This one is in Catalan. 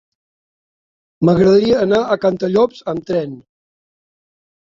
M'agradaria anar a Cantallops amb tren.